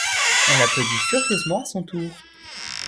On l’applaudit furieusement à son tour